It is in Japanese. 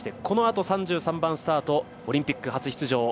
このあと、３３番スタートオリンピック初出場